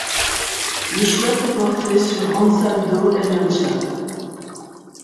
Le choix s'est porté sur Ansaldo Energia.